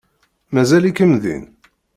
Mazal-ikem din?